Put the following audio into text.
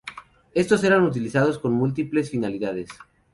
Estos eran utilizados con múltiples finalidades.